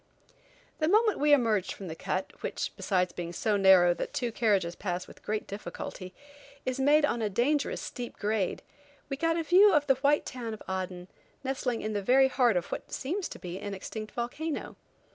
The moment we emerged from the cut, which, besides being so narrow that two carriages pass with great difficulty, is made on a dangerous steep grade, we got a view of the white town of Aden, nestling in the very heart of what seems to be an extinct volcano.